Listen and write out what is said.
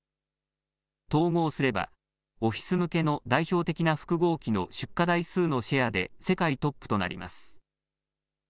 統合すれば、オフィス向けの代表的な複合機の出荷台数のシェアで世界トップとなります。